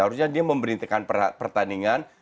seharusnya dia memberitikan pertandingan